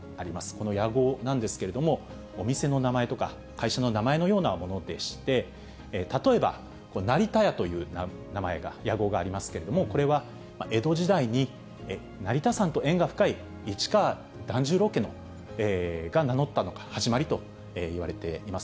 この屋号なんですけれども、お店の名前とか、会社の名前のようなものでして、例えば、成田屋という名前が、屋号がありますけれども、これは江戸時代に成田山と縁が深い市川團十郎家の名乗ったのが始まりといわれています。